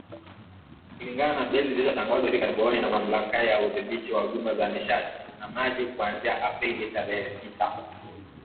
Kulingana na bei zilizotangazwa hivi karibuni na Mamlaka ya Udhibiti wa Huduma za Nishati na Maji kuanzia Aprili tarehe sita.